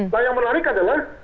nah yang menarik adalah